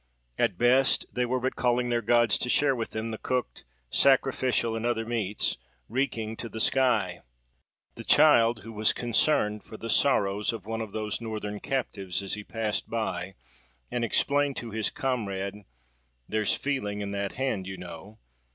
At best, they were but calling their gods to share with them the cooked, sacrificial, and other meats, reeking to the sky. The child, who was concerned for the sorrows of one of those Northern captives as he passed by, and explained to his comrade—"There's feeling in that hand, you know!"